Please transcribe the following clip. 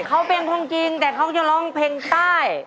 เขาเป็นคนจริงแต่เขาจะร้องเพลงใต้